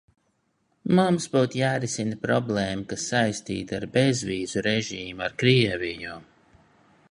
Mums būtu jārisina problēma, kas saistīta ar bezvīzu režīmu ar Krieviju.